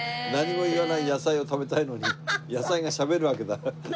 何も言わない野菜を食べたいのに野菜がしゃべるわけだ。